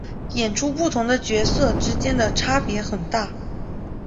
演出的不同角色之间的差别很大。